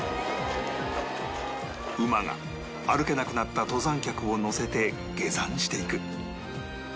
馬が歩けなくなった登山客を乗せて下山していく